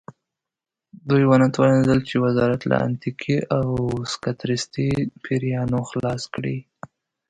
دوی ونه توانېدل چې وزارت له اتنیکي او سکتریستي پیریانو خلاص کړي.